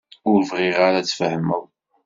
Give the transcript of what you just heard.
Ur bɣiɣ ara ad tfehmeḍ.